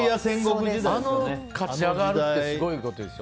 勝ち上がるのはすごいことですよ。